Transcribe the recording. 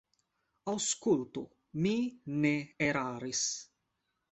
Aŭskultu; mi ne eraris.